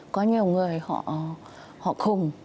có nhiều người họ khùng